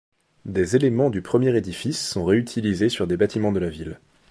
Des éléments du premier édifice sont réutilisés sur des bâtiments de la ville.